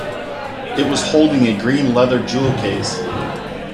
It was holding a green leather jewel-case.